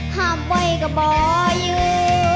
ห้ามไว้ก็บ่อยู่